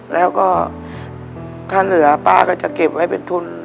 แล้วก็ถ้าเหลือป้าก็จะเก็บไว้เป็นทุน